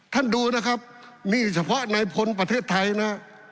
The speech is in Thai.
ดูนะครับนี่เฉพาะในพลประเทศไทยนะ